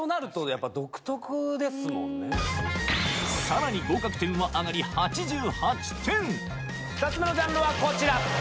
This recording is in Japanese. さらに合格点は上がり８８点２つ目のジャンルはこちら。